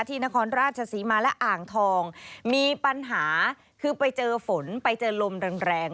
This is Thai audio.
นครราชศรีมาและอ่างทองมีปัญหาคือไปเจอฝนไปเจอลมแรงแรง